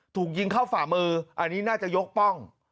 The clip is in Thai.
ถูกยิงเข้าฝ่ามืออันนี้น่าจะยกป้อง